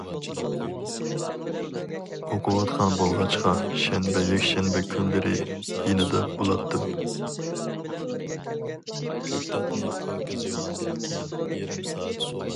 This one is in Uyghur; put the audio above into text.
ئۇقۇۋاتقان بولغاچقا شەنبە-يەكشەنبە كۈنلىرى يېنىدا بۇلاتتىم.